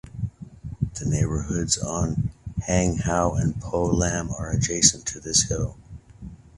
The neighbourhoods of Hang Hau and Po Lam are adjacent to this hill.